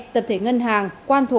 tập thể ngân hàng quan thổ một